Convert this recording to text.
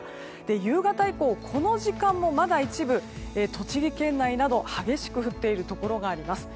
夕方以降、この時間もまだ一部、栃木県内など激しく降っているところがあります。